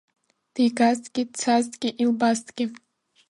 Дигазҭгьы, дцазҭгьы, илбазҭгьы.